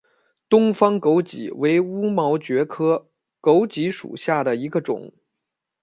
东方狗脊为乌毛蕨科狗脊属下的一个种。